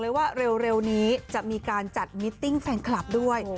ว่าเร็วนี้จะมีการจัดมิตติ้งแฟนคลับด้วย